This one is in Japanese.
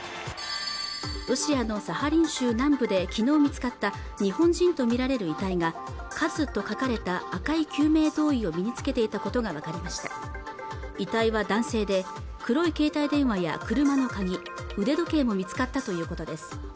ロシアのサハリン州南部できのう見つかった日本人とみられる遺体が「ＫＡＺＵ」と書かれた赤い救命胴衣を身につけていたことが分かりました遺体は男性で黒い携帯電話や車の鍵や腕時計も見つかったということです